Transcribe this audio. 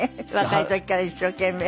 若い時から一生懸命。